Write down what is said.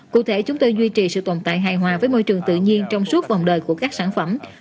cụ thể chúng tôi duy trì sự tồn tại hài hòa với môi trường tự nhiên trong suốt vòng đời của các sản phẩm